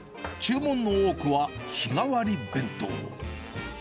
注文の多くは、日替わり弁当。